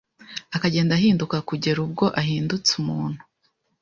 akagenda ahinduka kugera ubwo ahindutse umuntu.